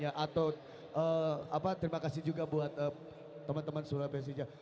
atau terima kasih juga buat teman teman surabaya sejak